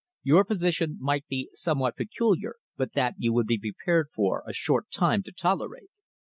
Your position might be somewhat peculiar, but that you would be prepared for a short time to tolerate."